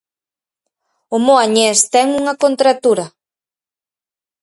O moañés ten unha contractura.